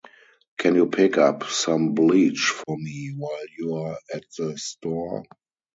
Can you pick up some bleach for me while you're at the store?